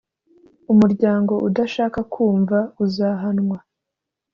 Umuryango udashaka kumva uzahanwa